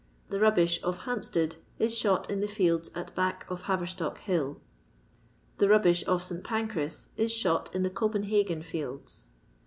The rubbish of Hampstead is shot in the fields at back of Haverstock hill. The rubbish of Saint Pancrms is shot in the Copenhagen fields.